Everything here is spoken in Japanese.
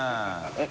えっ！